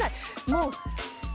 もう。